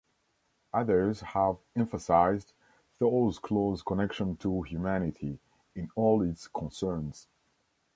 Others have emphasized Thor's close connection to humanity, in all its concerns.